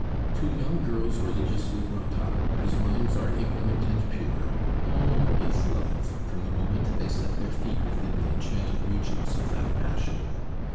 To young girls religiously brought up, whose minds are ignorant and pure, all is love from the moment they set their feet within the enchanted regions of that passion.